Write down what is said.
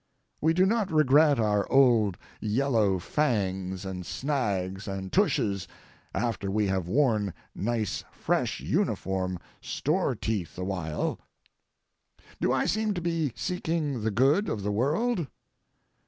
We do not regret our old, yellow fangs and snags and tushes after we have worn nice, fresh, uniform store teeth a while. Do I seem to be seeking the good of the world?